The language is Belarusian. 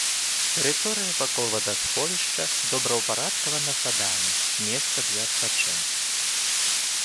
Тэрыторыя вакол вадасховішча добраўпарадкавана садамі, месца для адпачынку.